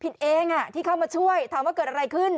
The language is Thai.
ผิดเองที่เข้ามาช่วยถามว่าเกิดอะไรขึ้น